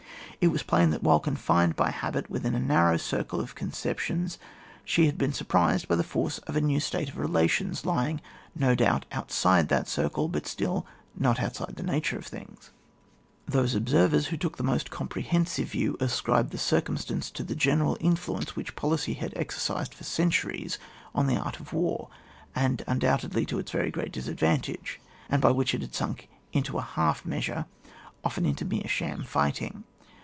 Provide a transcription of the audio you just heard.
It was plain that while confined by habit within a narrow circle of conceptions, she had been surprised by the force of a new state of relations, lying, no doubt, outside that circle, but still not outside the nature of things. GHAP. VI.] WAH AS AN INSTRUMENT OF POLICY, 69 Those observers wlio took the most comprehensive view, ascribed the cir cumstance to the general influence which policy had exercised for centuries on the art of war, and undoubtedly to its very great disadvantage, and by which it had sunk into a half measure, often into mere sham fighting.